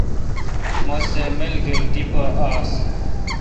مسہ اؘ ملگر دی پا آس ۔